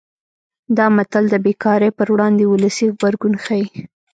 دا متل د بې کارۍ پر وړاندې ولسي غبرګون ښيي